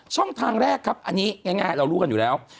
ช่องทางแรกครับอันนี้ง่ายเรารู้กันอยู่แล้ว